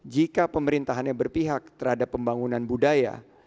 jika pemerintahannya berpihak terhadap pembangunan budaya